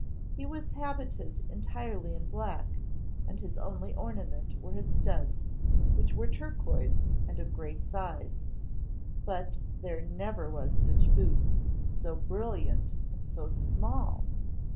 He was habited entirely in black, and his only ornament were his studs, which were turquoise and of great size: but there never were such boots, so brilliant and so small!